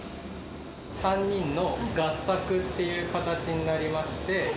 ３人の合作という形になりまして。